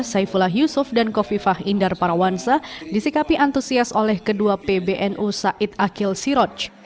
saifullah yusuf dan kofifah indar parawansa disikapi antusias oleh kedua pbnu said akil siroj